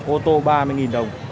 ô tô ba mươi đồng